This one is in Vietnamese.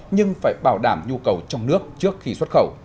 nhưng phải bảo đảm nhu cầu trong nước trước khi xuất khẩu